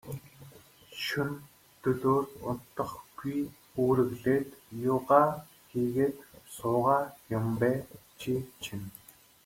Шөнө дөлөөр унтахгүй, үүрэглээд юугаа хийгээд суугаа юм бэ, чи чинь.